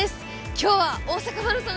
今日は大阪マラソン